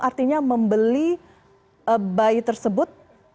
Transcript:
artinya membeli bayi tersebut